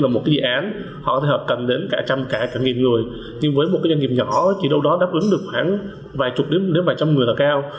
một cái doanh nghiệp nhỏ chỉ đâu đó đáp ứng được khoảng vài chục đến vài trăm người là cao